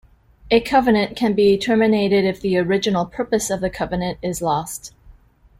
A covenant can be terminated if the original purpose of the covenant is lost.